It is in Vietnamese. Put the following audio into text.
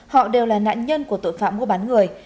họ đều là nạn nhân của tội phạm mua bán người